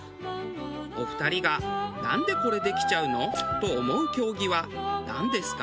お二人がなんでこれできちゃうの？と思う競技はなんですか？